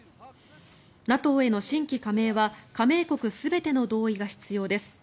ＮＡＴＯへの新規加盟は加盟国全ての同意が必要です。